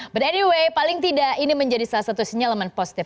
bud anyway paling tidak ini menjadi salah satu sinyalemen positif